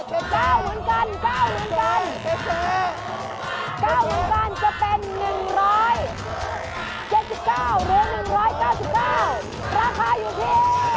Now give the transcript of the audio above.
ราคาอยู่ที่